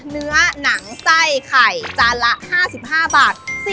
เนื้อหนังไส้ไข่จานละ๕๕บาท